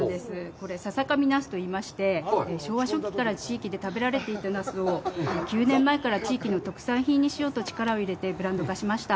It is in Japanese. これ、笹神なすといいまして、昭和初期から地域で食べられていたナスを９年前から地域の特産品にしようと力を入れてブランド化しました。